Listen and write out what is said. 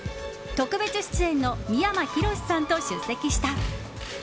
特別出演の三山ひろしさんと出席した。